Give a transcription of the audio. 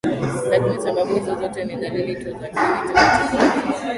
Lakini sababu hizo zote ni dalili tu za kiini cha tatizo hilo